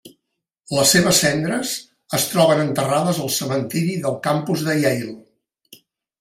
Les seves cendres es troben enterrades al cementiri del campus de Yale.